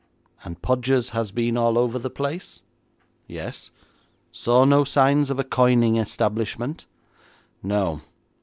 'And Podgers has been all over the place?' 'Yes.' 'Saw no signs of a coining establishment?' 'No.